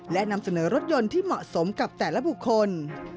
และนำเสนอรถยนต์ที่เหมาะสมกับแต่ละบุคคล